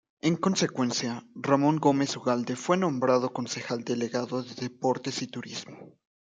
En consecuencia, Ramón Gómez Ugalde fue nombrado concejal delegado de Deportes y Turismo.